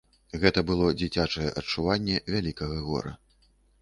Гэта было дзіцячае адчуванне вялікага гора.